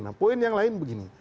nah poin yang lain begini